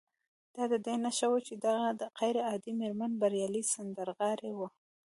دا د دې نښه وه چې دغه غير عادي مېرمن بريالۍ سندرغاړې وه